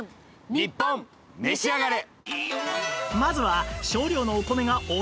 『ニッポンめしあがれ』。